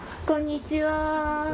こんにちは。